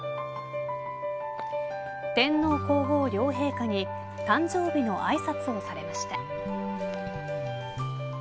天皇皇后両陛下に誕生日のあいさつをされました。